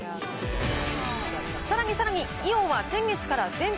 さらにさらに、イオンは先月から全国